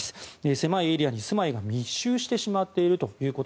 狭いエリアに住まいが密集してしまっていると。